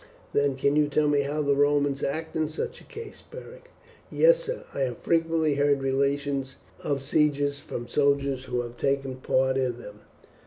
"Then can you tell me how the Romans act in such a case, Beric?" "Yes, sir. I have frequently heard relations of sieges from soldiers who have taken part in them.